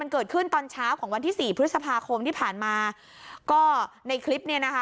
เกิดขึ้นตอนเช้าของวันที่สี่พฤษภาคมที่ผ่านมาก็ในคลิปเนี่ยนะคะ